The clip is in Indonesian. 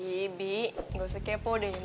bibi gak usah kepo deh